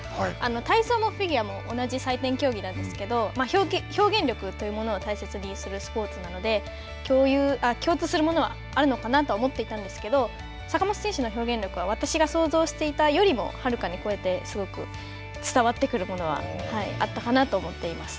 体操もフィギュアも同じ採点競技なんですけど、表現力というものを大切にするスポーツなので、共通するものはあるのかなと思っていたんですけど、坂本選手の表現力は私が想像していたよりもはるかに超えてすごく伝わってくるものはあったかなと思っています。